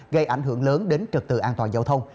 gây ảnh hưởng lớn đến trực tự an toàn giao thông